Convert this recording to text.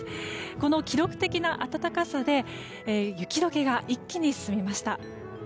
この記録的な暖かさで雪解けが一気に進みました。